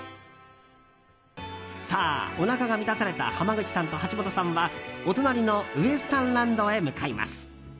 さあ、おなかが満たされた濱口さんと橋本さんはお隣のウエスタンランドへ向かいます。